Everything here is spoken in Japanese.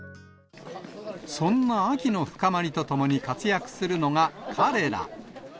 そんな秋の深まりとともに活躍するのが彼ら。